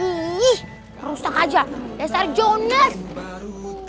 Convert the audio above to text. ih rusak aja dasar joner